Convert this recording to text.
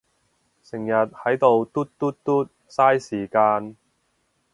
成日係到嘟嘟嘟，晒時間